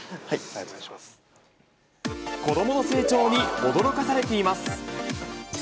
子どもの成長に驚かされています。